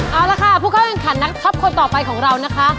เอาละค่ะพวกเขายังขัดนักชอบคนต่อไปของเรานะคะ